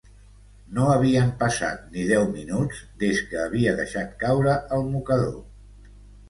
No havien passat ni deu minuts des que havia deixat caure el mocador.